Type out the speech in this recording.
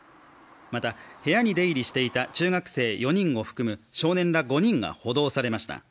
また、部屋に出入りしていた中学生４人を含む少年ら５人が補導されました。